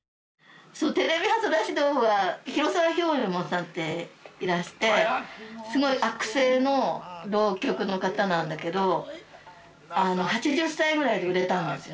「テレビファソラシド」は広沢瓢右衛門さんっていらしてすごい悪声の浪曲の方なんだけど８０歳ぐらいで売れたんですよ。